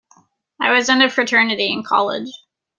I was in a fraternity in college.